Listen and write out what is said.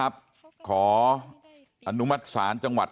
เพราะว่า